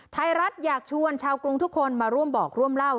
ไทยรัฐอยากชวนชาวกรุงทุกคนมาร่วมบอกร่วมเล่า